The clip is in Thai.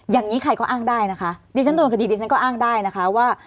อย่างนี้ใครก็อ้างได้นะคะดิฉันโดนคดีดิฉันก็อ้างได้นะคะว่า